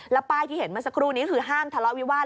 แล้วป้ายที่เห็นเมื่อสักครู่นี้คือห้ามทะเลาะวิวาส